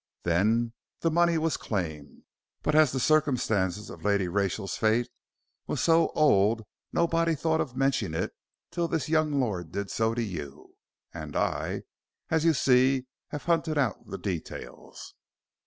Then the money was claimed, but as the circumstance of Lady Rachel's fate was so old, nobody thought of mentioning it till this young lord did so to you, and I as you see have hunted out the details."